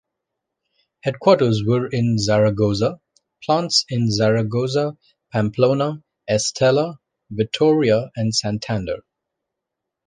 Headquarters were in Zaragoza, plants in Zaragoza, Pamplona, Estella, Vitoria and Santander.